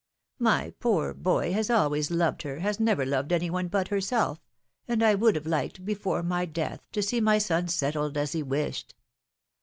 My poor boy has always loved her, has never loved any one but herself, and I would have liked, before my death, to see my son settled as he wished.